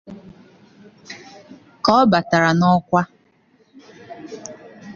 Ka ọ batara n'ọkwa